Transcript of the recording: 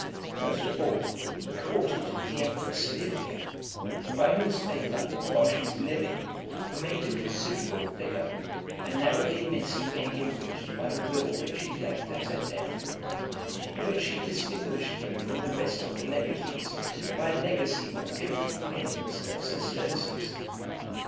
Most of all, he courted the empress Livia , by whose favour, while she was living, he made a considerable figure, and narrowly missed being enriched by the will which she left at her death; in which she distinguished him from the rest of the (404) legatees, by a legacy of fifty millions of sesterces.